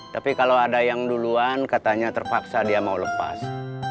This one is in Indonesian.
tapi kalau ada yang duluan katanya terpaksa dia mau lepas